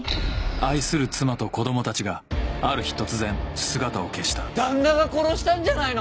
愛する妻と子供たちがある日突然姿を消した旦那が殺したんじゃないの？